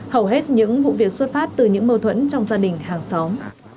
hầu hết những vụ việc xuất phát từ những mâu thuẫn trong gia đình hàng xóm